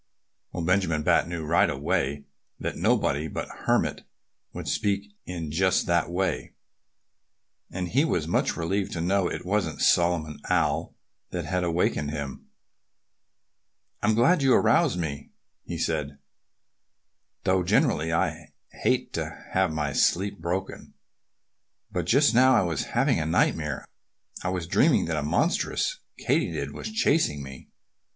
Well, Benjamin Bat knew right away that nobody but the Hermit would speak in just that way. And he was much relieved to know that it wasn't Solomon Owl that had awakened him. "I'm glad you roused me," he said, "though generally I hate to have my sleep broken. But just now I was having a nightmare. I was dreaming that a monstrous Katydid was chasing me.